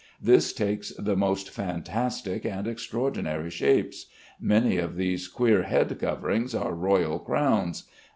This takes the most fantastic and extraordinary shapes. Many of these queer head coverings are royal crowns.